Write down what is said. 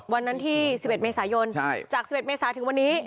วันนั้นที่๑๑เมษายนจาก๑๑เมษาถึงวันนี้